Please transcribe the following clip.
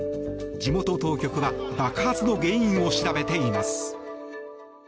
地元当局は爆発の原因を調べています。